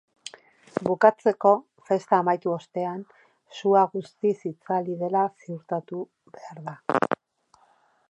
Bukatzeko, festa amaitu ostean, sua guztiz itzali dela ziurtatu behar da.